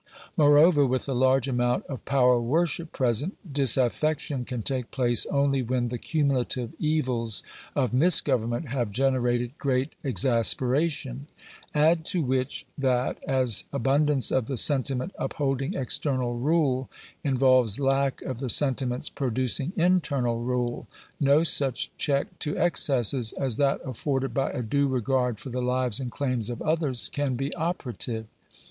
Moreover, with a large amount of power worship present, dis affection can take place only when the cumulative evils of mis government have generated great exasperation. Add to which, that as abundance of the sentiment upholding external rule, in volves lack of the sentiments producing internal rule, no such check to excesses as that afforded by a due regard for the lives and claims of others, can be operative.